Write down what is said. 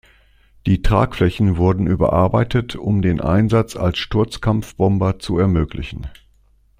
Die Tragflächen wurden überarbeitet, um den Einsatz als Sturzkampfbomber zu ermöglichen.